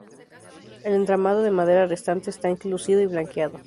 El entramado de madera restante está enlucido y blanqueado.